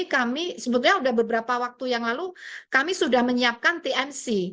soalnya saat ini kami sebelumnya sudah beberapa waktu yang lalu kami sudah menyiapkan tmc